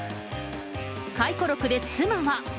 回顧録で妻は。